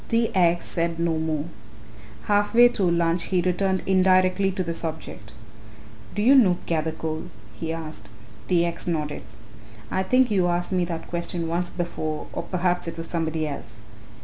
T. X. said no more. Half way through lunch he returned indirectly to the subject. "Do you know Gathercole?" he asked. T. X. nodded. "I think you asked me that question once before, or perhaps it was somebody else.